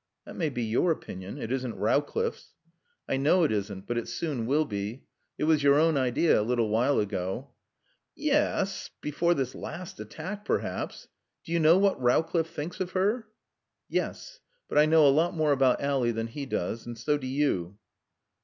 "That may be your opinion. It isn't Rowcliffe's." "I know it isn't. But it soon will be. It was your own idea a little while ago." "Ye es; before this last attack, perhaps. D'you know what Rowcliffe thinks of her?" "Yes. But I know a lot more about Ally than he does. So do you."